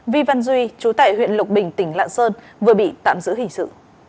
vi văn duy chú tải huyện lục bình tỉnh lạng sơn vừa bị tạm giữ hình sự